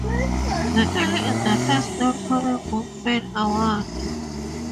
The Alley is the first known comic book fan award.